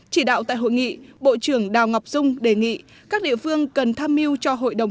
chỉ đạo tại hội nghị bộ trưởng đào ngọc dung đề nghị các địa phương cần tham mưu cho hội đồng